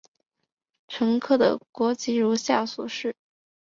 乘客的国籍如下所示。